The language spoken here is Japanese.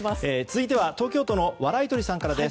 続いては東京都のワライトリさんから。